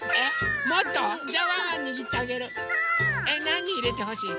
なにいれてほしい？